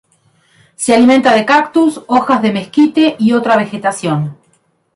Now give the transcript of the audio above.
Se alimenta de cactus, hojas de mezquite y otra vegetación.